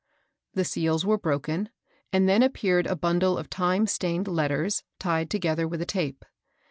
The seals were broken, and then appeared a bun dle of time stained letters, tied together with a tape.